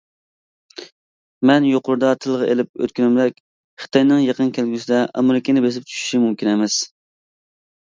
مەن يۇقىرىدا تىلغا ئېلىپ ئۆتكۈنۈمدەك، خىتاينىڭ يېقىن كەلگۈسىدە ئامېرىكىنى بېسىپ چۈشىشى مۇمكىن ئەمەس.